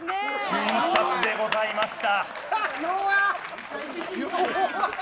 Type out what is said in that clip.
瞬殺でございました。